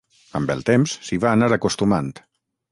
Amb el temps, s’hi va anar acostumant.